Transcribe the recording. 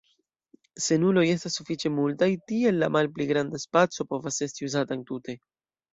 Se nuloj estas sufiĉe multaj, tiel la malpli granda spaco povas esti uzata entute.